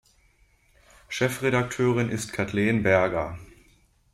Chefredakteurin ist Kathleen Berger.